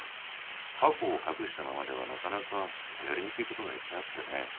過去を隠したままではなかなかやりにくいことがいっぱいあってね。